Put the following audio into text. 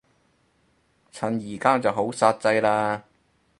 趁而家就好煞掣嘞